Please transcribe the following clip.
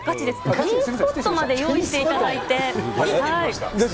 ピンスポットまで用意していただいて。